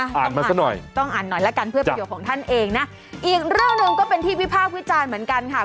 อ่านมาซะหน่อยต้องอ่านหน่อยละกันเพื่อประโยชน์ของท่านเองนะอีกเรื่องหนึ่งก็เป็นที่วิพากษ์วิจารณ์เหมือนกันค่ะ